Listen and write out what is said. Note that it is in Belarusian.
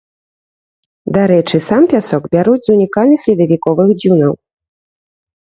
Дарэчы, сам пясок бяруць з унікальных ледавіковых дзюнаў.